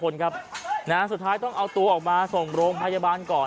ส่วนที่ต้องเอาตัวออกมาส่งโรงพยาบาลก่อน